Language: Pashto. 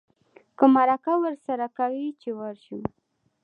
که مرکه ورسره کوې چې ورشو.